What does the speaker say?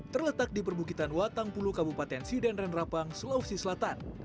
terletak di perbukitan watangpulu kabupaten sidan renrapang sulawesi selatan